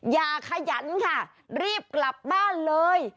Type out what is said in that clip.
ขยันค่ะรีบกลับบ้านเลย